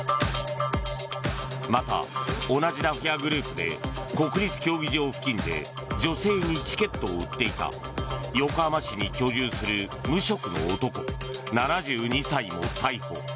また、同じダフ屋グループで国立競技場付近で女性にチケットを売っていた横浜市に居住する無職の男、７２歳も逮捕。